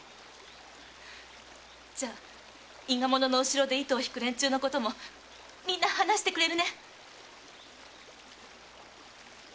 伊賀者の後ろで糸を引く連中のこともみんな話してくれるね？